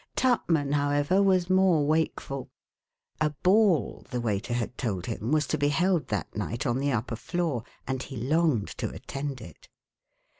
Tupman, however, was more wakeful; a ball, the waiter had told him, was to be held that night on the upper floor and he longed to attend it.